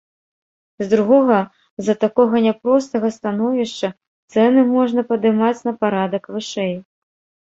З другога, з-за такога няпростага становішча цэны можна падымаць на парадак вышэй.